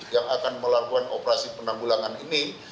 yang akan melakukan operasi penanggulangan ini